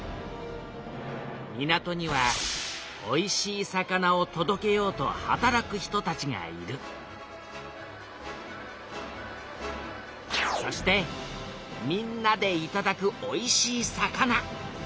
港にはおいしい魚をとどけようと働く人たちがいるそしてみんなでいただくおいしい魚。